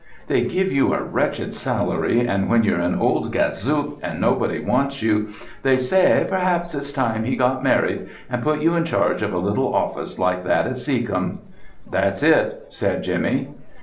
"They give you a wretched salary, and when you're an old Gazook and nobody wants you, they say, 'Perhaps it's time he got married,' and put you in charge of a little office like that at Seacombe." "That's it," said Jimmy.